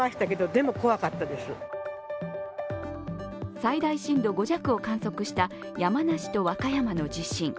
最大震度５弱を観測した山梨と和歌山の地震。